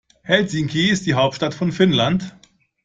Helsinki ist die Hauptstadt von Finnland.